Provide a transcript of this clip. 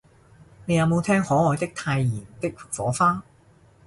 你有無聽可愛的太妍的火花